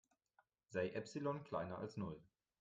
Sei Epsilon kleiner als Null.